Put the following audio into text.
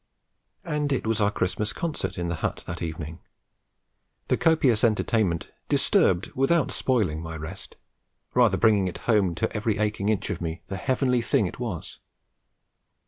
And it was our Christmas concert in the hut that evening: the copious entertainment disturbed without spoiling my rest, rather bringing it home to every aching inch of me as the heavenly thing it was.